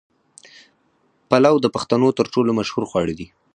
پلو د پښتنو تر ټولو مشهور خواړه دي.